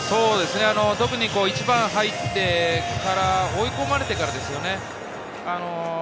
特に１番に入ってから、追い込まれてからですよね。